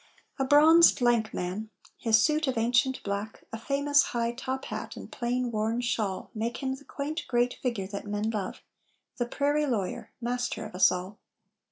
A bronzed, lank man! His suit of ancient black, A famous high top hat and plain worn shawl Make him the quaint great figure that men love, The prairie lawyer, master of us all.